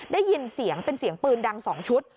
ได้ยินเสียงเป็นเสียงปืนดัง๒ชุด